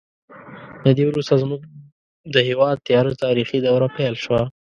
له دې وروسته زموږ د هېواد تیاره تاریخي دوره پیل شوه.